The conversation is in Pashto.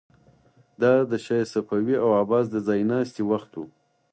دا د شاه صفوي او عباس د ځای ناستي وخت و.